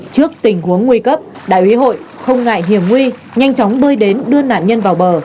trước tình huống nguy cấp đại ủy hội không ngại hiểm nguy nhanh chóng bơi đến đưa nạn nhân vào bờ